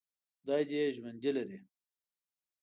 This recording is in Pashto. خدای دې یې ژوندي لري.